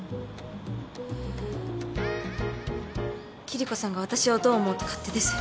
キリコさんが私をどう思おうと勝手です。